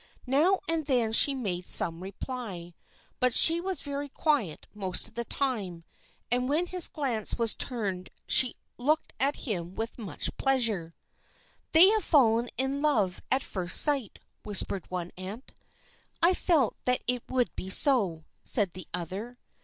Now and then she made some reply, but she was very quiet most of the time, and when his glance was turned she looked at him with much pleasure. "They have fallen in love at first sight," whispered one aunt. "I felt that it would be so," said the other.